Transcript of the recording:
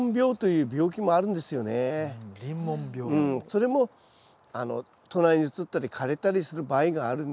それも隣にうつったり枯れたりする場合があるんですよね。